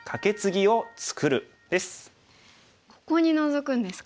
ここにノゾくんですか。